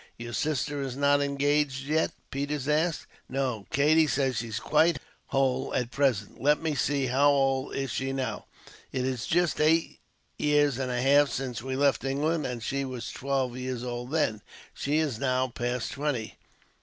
"Your sister is not engaged yet?" Peters asked. "No. Katie says she's quite heart whole at present. Let me see how old is she now? It is just eight years and a half since we left England, and she was twelve years old then. She is now past twenty.